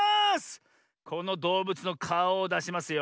このどうぶつのかおをだしますよ。